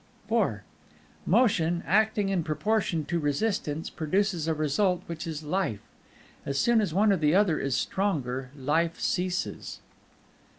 IV Motion, acting in proportion to Resistance, produces a result which is Life. As soon as one or the other is the stronger, Life ceases.